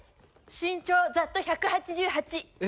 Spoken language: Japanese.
身長ざっと１８８。え！